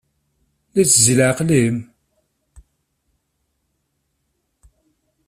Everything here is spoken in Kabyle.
La itezzi leɛqel-im?